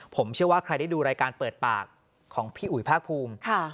ผมเชื่อว่าใครได้ดูรายการเปิดปากของพี่อุ๋ยภาคภูมิ